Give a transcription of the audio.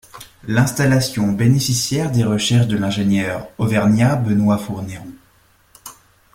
L'installation bénéficiait des recherches de l'ingénieur auvergnat Benoît Fourneyron.